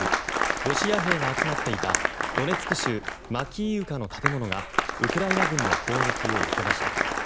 ロシア兵が集まっていたドネツク州マキイウカの建物がウクライナ軍の攻撃を受けました。